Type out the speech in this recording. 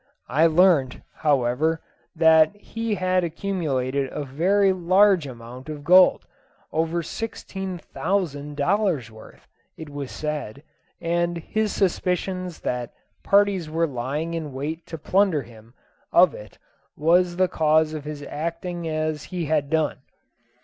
I learnt, however, that he had accumulated a very large amount of gold, over sixteen thousand dollars' worth, it was said; and his suspicions that parties were lying in wait to plunder him of it was the cause of his acting as he had done.